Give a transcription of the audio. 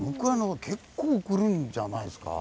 結構来るんじゃないですか。